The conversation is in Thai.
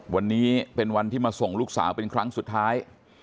วันนี้เป็นวันที่มาส่งลูกสาวเป็นครั้งสุดท้าย